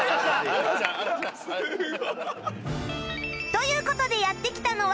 という事でやって来たのは